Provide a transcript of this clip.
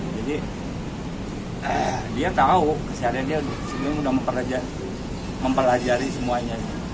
jadi dia tahu seharian dia sudah mempelajari semuanya